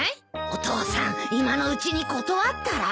お父さん今のうちに断ったら？